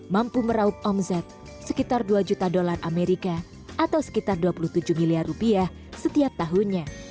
mampu meraup omzet sekitar dua juta dolar amerika atau sekitar dua puluh tujuh miliar rupiah setiap tahunnya